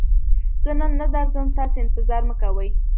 زه نن نه درځم، تاسې انتظار مکوئ!